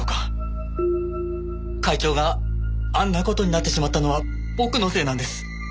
会長があんな事になってしまったのは僕のせいなんです。